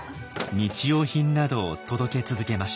日用品などを届け続けました。